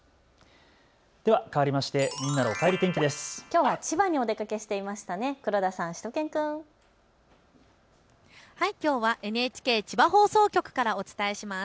かわりましてみんなのおかえり天気です。